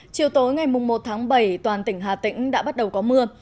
chiều tối ngày một tháng bảy toàn tỉnh hà tĩnh đã bắt đầu có mưa